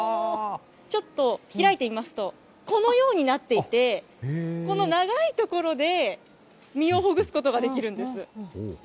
ちょっと開いてみますと、このようになっていて、この長いところで身をほぐすことができるんです。